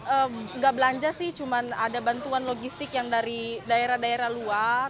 enggak belanja sih cuma ada bantuan logistik yang dari daerah daerah luar